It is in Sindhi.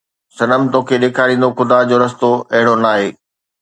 صنم توکي ڏيکاريندو خدا جو رستو اهڙو ناهي